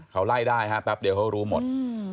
เขาไล่ได้ครับเดี๋ยวเขารู้หมด